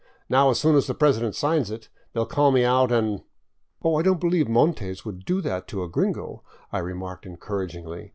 Now as soon as the president signs it, they'll call me out and ..."" Oh, I don't believe Montes would do tHat to a gringo," I remarked encouragingly.